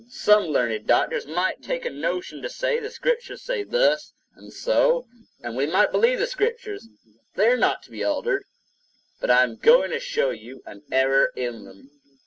Some learned doctors might take a notion to say the Scriptures say thus and so; and we might believe the Scriptures; they are not to be altered. But I am going to show you an error in them.